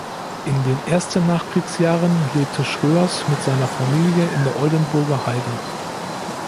In den ersten Nachkriegsjahren lebte Schroers mit seiner Familie in der Oldenburger Heide.